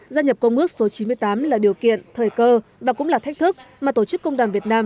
gia nhập công ước số chín mươi tám là điều kiện thời cơ và cũng là thách thức mà tổ chức công đoàn việt nam